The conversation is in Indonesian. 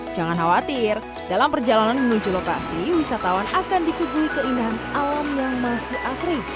jangan khawatir dalam perjalanan menuju lokasi wisatawan akan disuguhi keindahan alam yang masih asri